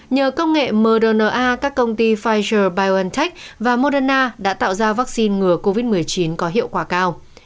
nhờ công nghệ mrna các công ty pfizer biontech và moderna đã tạo ra vaccine ngừa covid một mươi chín có hiệu quả cao